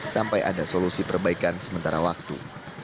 sampai ada solusi perbaikan sementara waktu